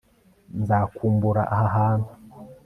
nzakumbura aha hantu